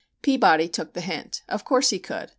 Peabody took the hint. Of course he could.